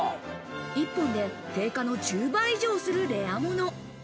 １本で定価の１０倍以上するレア物。